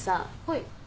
はい。